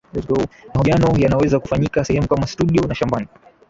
mahojiano yanaweza kufanyika sehemu kama studio na shambani